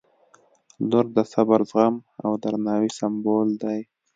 • لور د صبر، زغم او درناوي سمبول دی.